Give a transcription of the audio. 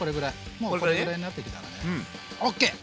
もうこれぐらいになってきたらねＯＫ！